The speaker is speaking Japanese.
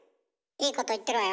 いいこと言ってるわよ。